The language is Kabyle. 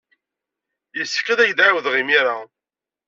Yessefk ad ak-d-ɛawdeɣ imir-a.